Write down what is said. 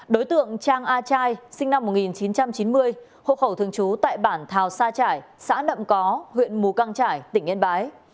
đối tượng trang a trai sinh năm một nghìn chín trăm chín mươi hộ khẩu thường trú tại bản thảo sa trải xã nậm có huyện mù căng trải tỉnh yên bái